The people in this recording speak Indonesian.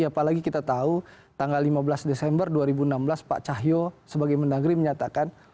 apalagi kita tahu tanggal lima belas desember dua ribu enam belas pak cahyo sebagai mendagri menyatakan